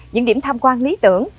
những điểm tham quan lý tưởng